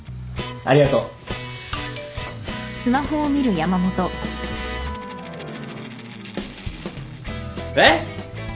ありがとう。えっ！？